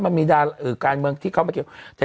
มันมีการเมืองที่เข้ามาเกี่ยวข้อง